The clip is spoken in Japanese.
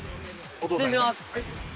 失礼します。